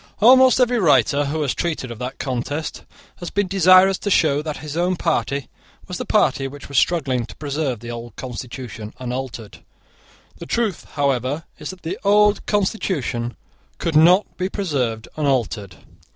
Almost every writer who has treated of that contest has been desirous to show that his own party was the party which was struggling to preserve the old constitution unaltered. The truth however is that the old constitution could not be preserved unaltered.